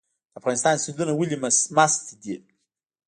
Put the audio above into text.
د افغانستان سیندونه ولې مست دي؟